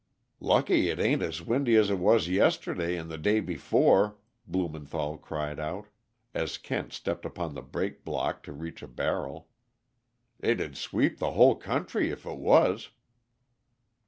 "Lucky it ain't as windy as it was yesterday and the day before," Blumenthall cried out, as Kent stepped upon the brake block to reach a barrel. "It'd sweep the whole country if it was."